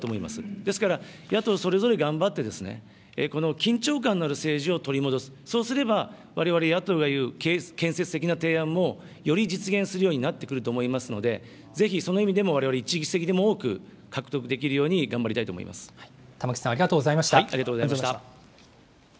ですから、野党それぞれ頑張って、この緊張感のある政治を取り戻す、そうすれば、われわれ野党が言う建設的な提案も、より実現するようになってくると思いますので、ぜひその意味でもわれわれ、１議席でも多く獲得できるように頑張玉木さん、ありがとうございありがとうございました。